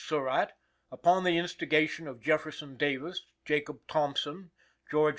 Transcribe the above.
Surratt, upon the instigation of Jefferson Davis, Jacob Thompson, George N.